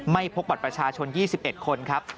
พบบัตรประชาชน๒๑คนครับ